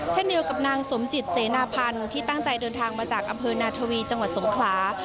เช่นเดียวกับนางสมจิตเสนาพันธ์ที่ตั้งใจเดินทางมาจากอำเภอนาทวีจังหวัดสงขลา